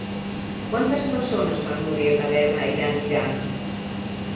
Quantes persones van morir en la Guerra Iran-Iraq?